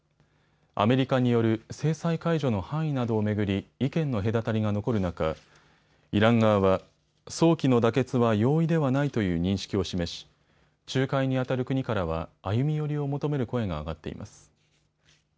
アメリカによる制裁解除の範囲などを巡り意見の隔たりが残る中、イラン側は早期の妥結は容易ではないという認識を示し仲介にあたる国からは歩み寄りを求める声が上がっています。